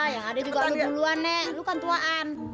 ya ada juga lu duluan nek lu kan tuaan